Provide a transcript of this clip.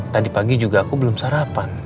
tadi pagi juga aku belum sarapan